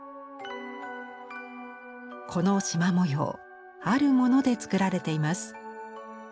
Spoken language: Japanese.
このしま模様あるものでつくられています。